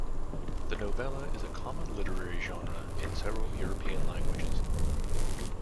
The novella is a common literary genre in several European languages.